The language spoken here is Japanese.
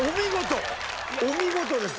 お見事です。